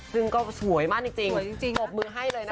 ซึ่งก็สวยมากจริงปรบมือให้เลยนะคะ